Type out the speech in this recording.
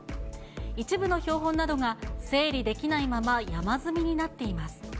一部の標本などが整理できないまま山積みになっています。